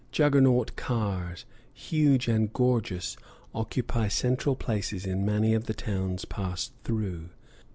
Juggernaut cars, huge and gorgeous, occupy central places in many of the towns passed through.